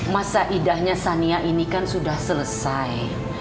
masa idahnya sania ini kan sudah selesai